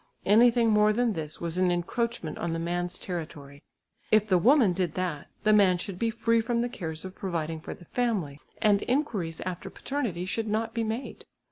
Anything more than this was an encroachment on the man's territory. If the woman did that, the man should be free from the cares of providing for the family, and inquiries after paternity should not be made.